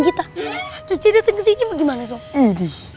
kamu begini kamu ngapain disini